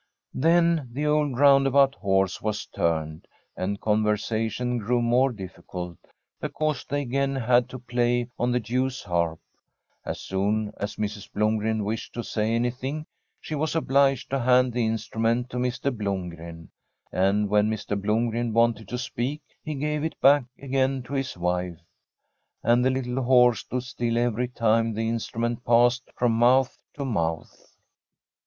Then the old roundabout horse was turned, and conversation grew more difficult, because they again had to play on the Jews' harp. As Fr»m s SfTEDlSH HOMESTEAD soon as Mrs. Blomgren wished to say anything, she was obliged to hand the instrument to Mr. Blomgren, and when Mr. Blomgren wanted to speak, he gave it back again to his wife. And the little horse stood still every time the instru ment passed from mouth to mouth.